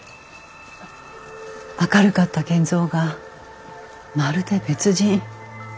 明るかった賢三がまるで別人。